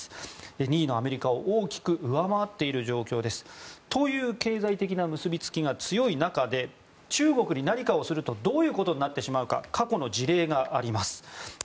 ２位のアメリカを大きく上回っている状況です。という経済的な結びつきが強い中で中国に何かをするとどういうことになってしまうか過去の事例があります。